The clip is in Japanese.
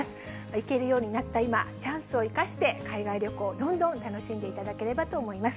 行けるようになった今、チャンスを生かして、海外旅行、どんどん楽しんでいただければと思います。